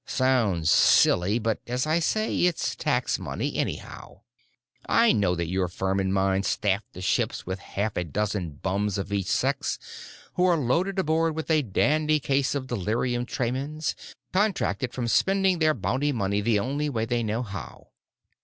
Sounds silly—but, as I say, it's tax money anyhow. I know that your firm and mine staff the ships with half a dozen bums of each sex, who are loaded aboard with a dandy case of delirium tremens, contracted from spending their bounty money the only way they know how.